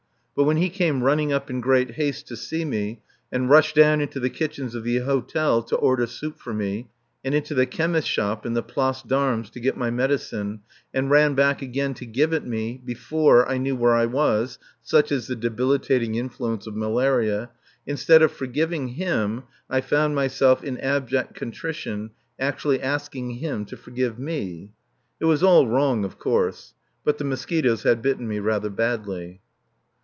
But when he came running up in great haste to see me, and rushed down into the kitchens of the Hotel to order soup for me, and into the chemist's shop in the Place d'Armes to get my medicine, and ran back again to give it me, before I knew where I was (such is the debilitating influence of malaria), instead of forgiving him, I found myself, in abject contrition, actually asking him to forgive me. It was all wrong, of course; but the mosquitoes had bitten me rather badly.